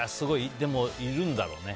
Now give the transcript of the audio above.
でも、いるんだろうね。